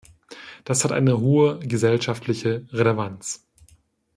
Das hat eine hohe gesellschaftliche Relevanz!